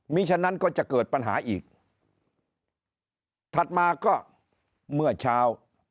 มีฉะนั้นก็จะเกิดปัญหาอีกถัดมาก็เมื่อเช้า